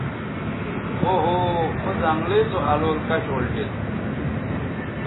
او ہو او زنگلئ سو الول کش اُلٹید